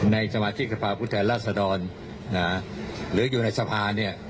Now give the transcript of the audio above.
ในสมาชิกภาพุทธธรรษฐรหรืออยู่ในสภาเนี่ย